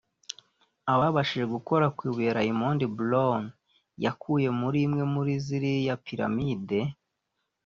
Ababashije gukora ku ibuye Raymond Brown yakuye muri imwe muri ziriya Pyramides